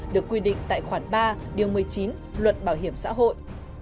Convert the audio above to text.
được quy định tại khoản ba điều một mươi chín luật bảo hiểm xã hội